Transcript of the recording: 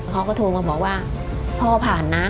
เขาก็โทรมาบอกว่าพ่อผ่านนะ